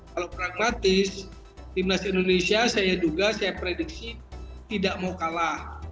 kalau pragmatis tim nasional indonesia saya duga saya prediksi tidak mau kalah